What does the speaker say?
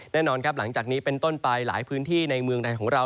แน่นอนครับหลังจากนี้เป็นต้นไปหลายพื้นที่ในเมืองไทยของเรา